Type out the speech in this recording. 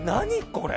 これ。